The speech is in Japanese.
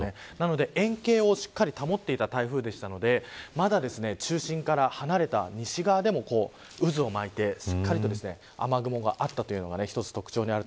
円形をしっかり保っていた台風だったのでまだ中心から離れた西側でも渦を巻いて、しっかりと雨雲があったというのが一つ特徴です。